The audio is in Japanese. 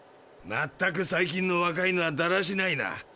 まったく最近の若いのはだらしないな。